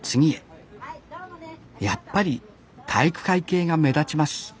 やっぱり体育会系が目立ちます